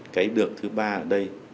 cái được thứ ba ở đây